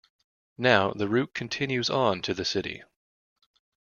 Now, the route continues on to the city.